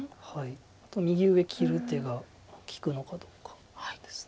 あと右上切る手が利くのかどうかです。